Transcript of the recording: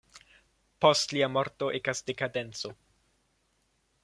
Post lia morto ekas dekadenco.